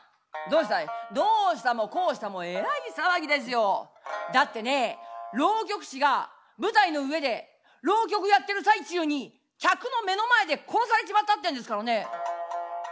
「どうしたもこうしたもえらい騒ぎですよ。だってね浪曲師が舞台の上で浪曲やってる最中に客の目の前で殺されちまったってんですからね」。